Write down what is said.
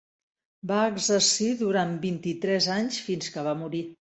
Va exercir durant vint-i-tres anys fins que va morir.